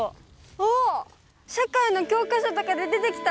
あっ社会の教科書とかで出てきた！